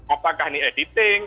apakah ini editing